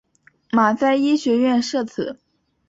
马赛医学院设此。